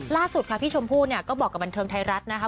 ล่าสุดค่ะพี่ชมพู่เนี่ยก็บอกกับบันเทิงไทยรัฐนะคะ